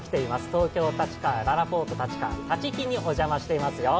東京・立川、ららぽーと立川立飛にお邪魔していますよ。